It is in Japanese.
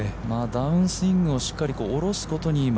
ダウンスイングをしっかり降ろすことに今。